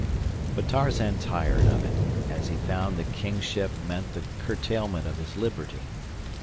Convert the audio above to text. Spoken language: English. But Tarzan tired of it, as he found that kingship meant the curtailment of his liberty.